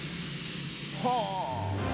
はあ！